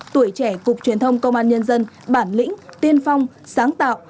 tuổi trẻ cục truyền thông công an nhân dân bản lĩnh tiên phong sáng tạo